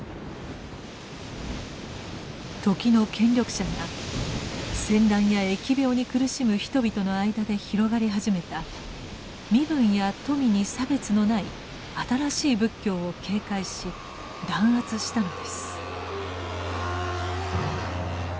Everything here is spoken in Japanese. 時の権力者が戦乱や疫病に苦しむ人々の間で広がり始めた身分や富に差別のない新しい仏教を警戒し弾圧したのです。